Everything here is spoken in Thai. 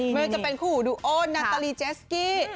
เหมือนจะเป็นผู้หูดูโอนนาตาลีเจสกี้